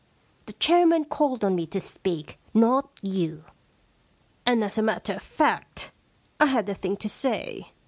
The chair man called on me to speak, not you, and as a matter of fact, I had a thing to say.